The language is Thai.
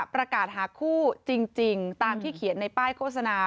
ประกาศหาคู่จริงตามที่เขียนในป้ายโฆษณา